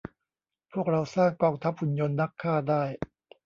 พวกเราสร้างกองทัพหุ่นยนต์นักฆ่าได้